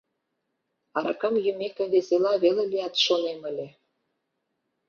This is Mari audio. Аракам йӱмеке, весела веле лият, шонем ыле.